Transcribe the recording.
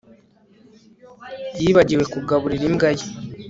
Yibagiwe kugaburira imbwa ye